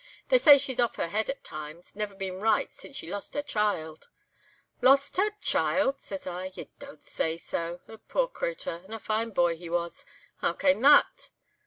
They say she's off her head at times, never been right since she lost her child.' "'Lost her child!' says I. 'Ye don't say so—the puir crater, and a fine boy he was. How cam' that?